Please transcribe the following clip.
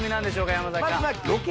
山崎さん。